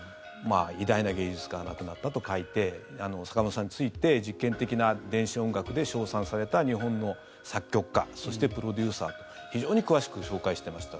偉大な芸術家が亡くなったと書いて坂本さんについて実験的な電子音楽で称賛された日本の作曲家そしてプロデューサーと非常に詳しく紹介していました。